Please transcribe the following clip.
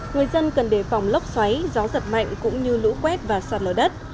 người dân cần đề phòng lốc xoáy gió giật mạnh cũng như lũ quét và sạt lở đất